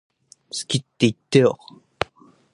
好きって言ってよ